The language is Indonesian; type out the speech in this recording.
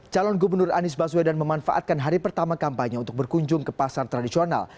calon gubernur anies baswedan memanfaatkan hari pertama kampanye untuk berkunjung ke pasar tradisional